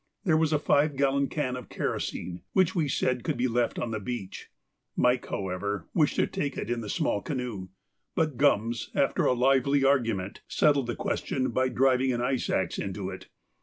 There was a five gallon can of kerosene which we said could be left on the beach; Mike, however, wished to take it in the small canoe, but Gums, after a lively argument, settled the question by driving an ice axe into it.